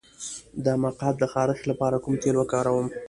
د مقعد د خارش لپاره کوم تېل وکاروم؟